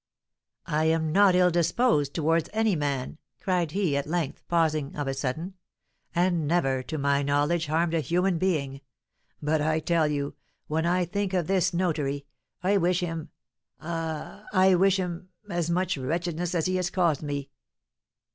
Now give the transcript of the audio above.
"I am not ill disposed towards any man," cried he, at length, pausing of a sudden; "and never, to my knowledge, harmed a human being. But, I tell you, when I think of this notary, I wish him ah! I wish him as much wretchedness as he has caused me."